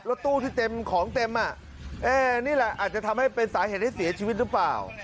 รถตู้ที่เต็มของเต็มอ่ะนี่แหละอาจจะทำให้เป็นสาเหตุให้เสียชีวิตหรือเปล่า